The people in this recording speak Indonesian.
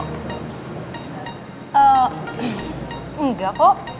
eee enggak kok